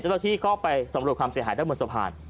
เจ้าที่ก็ไปสำรวจความเสียหายด้านบนสะพาน